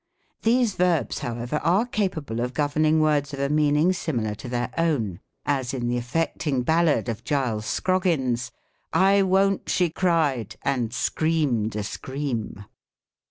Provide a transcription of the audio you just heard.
These verbs, however, are capable of governing words of a meaning similar to their own : as, in the affecting ballad of Giles Scroggins — "I wont, she cried, and screamed a scream."